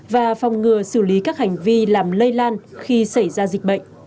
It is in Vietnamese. và phòng ngừa xử lý các hành vi làm lây lan khi xảy ra dịch bệnh